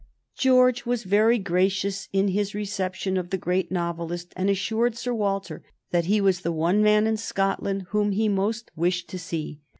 George was very gracious in his reception of the great novelist, and assured Sir Walter that he was the one man in Scotland whom he most wished to see.